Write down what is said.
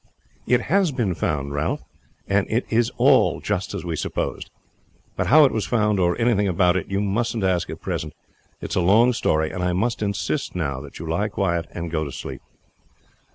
"It has been found, Ralph; and it is all just as we supposed. But how it was found, or anything about it, you mustn't ask at present. It is a long story, and I must insist now that you lie quiet and go to sleep."